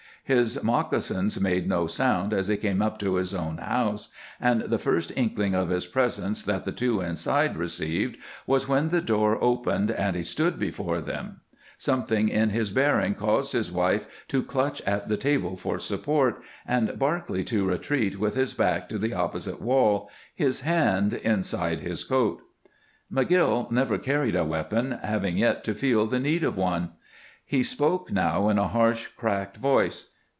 His moccasins made no sound as he came up to his own house, and the first inkling of his presence that the two inside received was when the door opened and he stood before them. Something in his bearing caused his wife to clutch at the table for support, and Barclay to retreat with his back to the opposite wall, his hand inside his coat. McGill never carried a weapon, having yet to feel the need of one. He spoke now in a harsh, cracked voice.